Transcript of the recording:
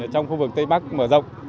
trong khu vực tây bắc mở rộng